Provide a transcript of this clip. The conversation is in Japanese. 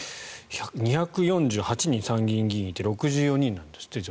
２４８人参議院議員がいて６４人なんですって。